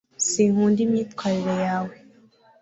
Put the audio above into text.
sinkunda imyitwarire yawe